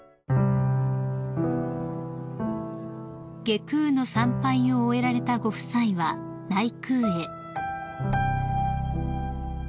［外宮の参拝を終えられたご夫妻は内宮へ］